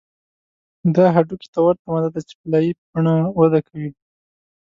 دا هډوکي ته ورته ماده ده چې په لایې په بڼه وده کوي